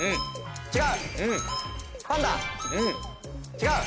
違う。